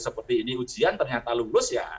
seperti ini ujian ternyata lulus ya